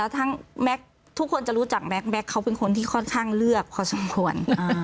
ทุกคนจะรู้จักแก๊กแม็กซเขาเป็นคนที่ค่อนข้างเลือกพอสมควร